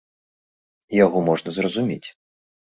І яго можна зразумець.